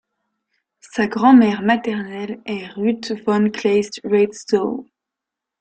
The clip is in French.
Sa grand-mère maternelle est Ruth von Kleist-Retzow.